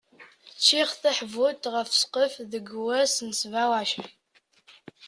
Ččiɣ taḥbult ɣef sqef deg wass n sebɛa uɛecrin.